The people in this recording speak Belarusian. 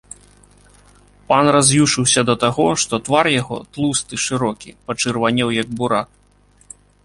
Пан раз'юшыўся да таго, што твар яго, тлусты, шырокі, пачырванеў як бурак.